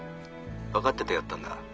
分かっててやったんだ。